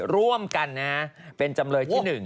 ร่วมกันเป็นจำเลยที่๑